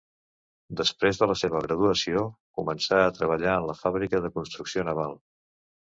Després de la seva graduació començà a treballar en una fàbrica de construcció naval.